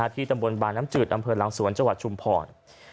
ที่ตำบลบาน้ำจืดอำเภอหลังสวนจังหวัดชุมพร